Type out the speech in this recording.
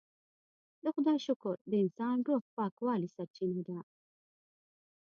د خدای شکر د انسان د روح پاکوالي سرچینه ده.